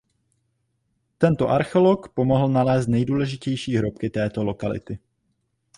Tento archeolog pomohl nalézt nejdůležitější hrobky této lokality.